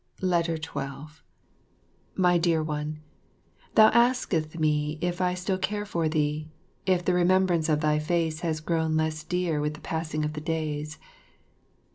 12 My Dear One, Thou askest me if I still care for thee, if the remembrance of thy face has grown less dear with the passing of the days.